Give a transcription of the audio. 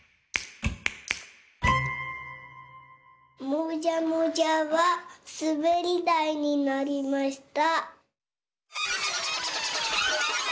もじゃもじゃはすべりだいになりました。